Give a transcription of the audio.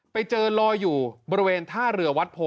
ไปเจอลอยอยู่บริเวณท่าเรือวัดโพ